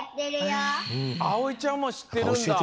あおいちゃんもしってるんだ。